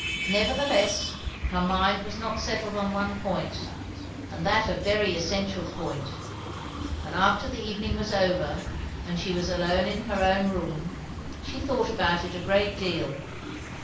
Nevertheless, her mind was not settled on one point, and that a very essential point; and after the evening was over and she was alone in her own room, she thought about it a great deal.